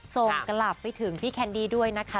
ส่งกลับไปถึงพี่แคนดี้ด้วยนะคะ